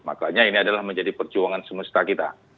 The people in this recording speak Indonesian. makanya ini adalah menjadi perjuangan semesta kita